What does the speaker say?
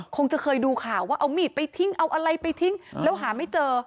คงจะเคยดูข่าวว่าเอามีดไปทิ้งเอาอะไรไปทิ้งแล้วหาไม่เจอ